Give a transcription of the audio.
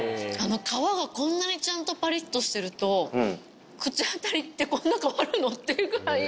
皮がこんなにちゃんとパリっとしてると口当たりってこんな変わるの？っていうぐらい。